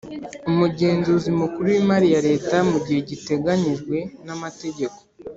Umugenzuzi Mukuru w Imari ya Leta mu gihe giteganyijwe n Amategeko